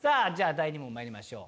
第２問まいりましょう。